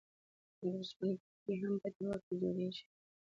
د اوسپنې پټلۍ هم په دې وخت کې جوړېږي